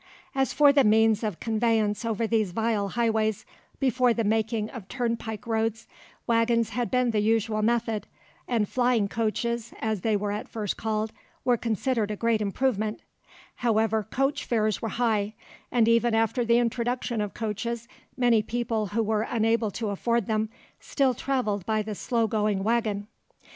As for the means of conveyance over these vile highways, before the making of turnpike roads waggons had been the usual method, and flying coaches, as they were at first called, were considered a great improvement; however, coach fares were high, and even after the introduction of coaches many people who were unable to afford them still travelled by the slow going waggon.